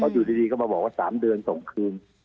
เอาอยู่ดีเขามาบอกว่าสามเดือนส่งคืน